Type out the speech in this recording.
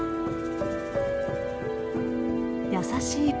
優しいＢ